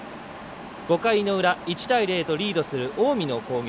５回の裏、１対０とリードする近江の攻撃